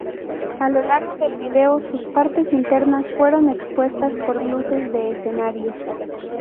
A lo largo del video, sus partes internas fueron expuestas por luces de escenario.